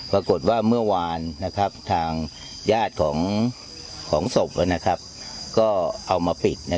ปรากฏว่าเมื่อวานทางญาติของศพก็เอามาปิด